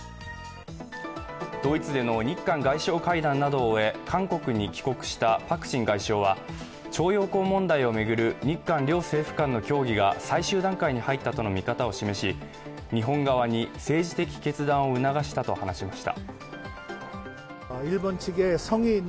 ドイツでの日韓外相会談などを終え、韓国に帰国したパク・チン外相は徴用工問題を巡る日韓両政府間の協議が最終段階に入ったとの見方を示し、日本側に政治的決断を促したと話しました。